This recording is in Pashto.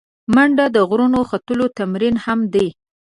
منډه د غرونو ختلو تمرین هم دی